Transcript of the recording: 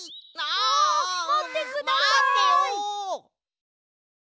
まってよ！